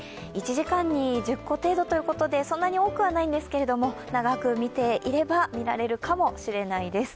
１時間に１０個程度ということでそんなに多くはないんですけど長く見ていれば見られるかもしれないです。